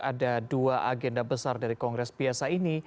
ada dua agenda besar dari kongres biasa ini